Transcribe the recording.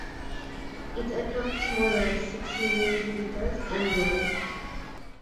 It attracts more than six million visitors annually.